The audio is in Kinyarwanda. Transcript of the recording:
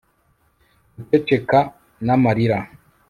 guceceka n'amarira